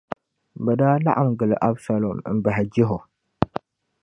bɛ daa laɣim gili Absalom m-bahi jɛhi o.